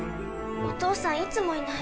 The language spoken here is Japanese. お父さんいつもいない。